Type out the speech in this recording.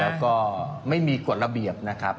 แล้วก็ไม่มีกฎระเบียบนะครับ